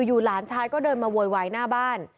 หลานชายก็เดินมาโวยวายหน้าบ้าน